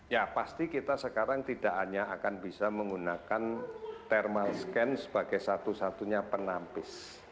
ya pasti kita sekarang tidak hanya akan bisa menggunakan thermal scan sebagai satu satunya penampis